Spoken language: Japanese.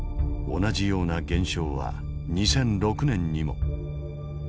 同じような現象は２００６年にも。